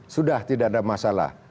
sudah tidak ada masalah